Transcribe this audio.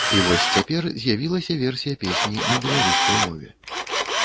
І вось цяпер з'явілася версія песні на беларускай мове.